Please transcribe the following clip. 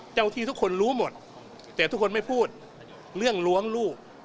เจ้าที่ทุกคนรู้หมดแต่ทุกคนไม่พูดเรื่องล้วงลูก